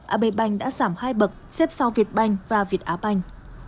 ab bank đã giảm hai bậc xếp sau vietbank và vieta bank